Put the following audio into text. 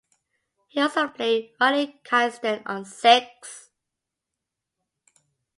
He also played Riley Kineston on Zixx.